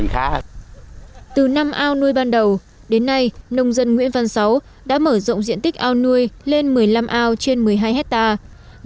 nguyễn văn sáu nông dân nguyễn văn sáu đã mở rộng diện tích ao nuôi lên một mươi năm ao trên một mươi hai hectare